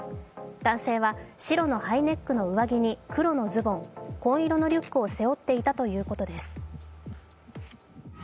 男性は白のハイネックの上着に黒のズボン、紺色のリュックを背負っていたということです。